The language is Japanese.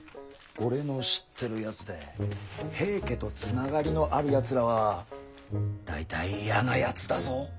俺の知ってるやつで平家と繋がりのあるやつらは大体嫌なやつだぞ。